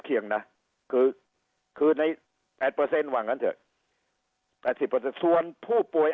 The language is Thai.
เคียงนะคือคือในแปดเปอร์เซ็นต์ว่างั้นเถอะส่วนผู้ป่วย